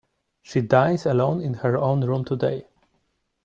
She dines alone in her own room today.